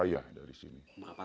berapa truk dari sini